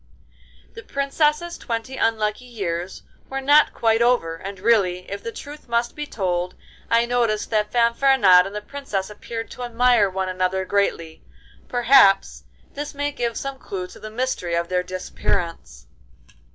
The Princess's twenty unlucky years were not quite over, and really, if the truth must be told, I noticed that Fanfaronade and the Princess appeared to admire one another greatly. Perhaps this may give some clue to the mystery of their disappearance.